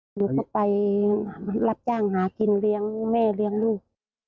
หนูก็ไปรับจ้างหากินเลี้ยงแม่เลี้ยงลูก